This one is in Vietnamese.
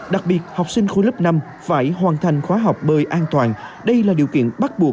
đặc biệt học sinh khu lớp năm phải hoàn thiện